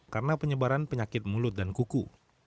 karena penyebaran penyakit mulut dan kuku